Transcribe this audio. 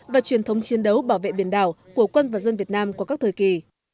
và truyền thống chiến đấu bảo vệ biển đảo của quân và dân việt nam qua các thời kỳ